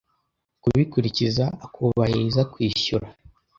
kubikurikiza akubahiriza kwishyura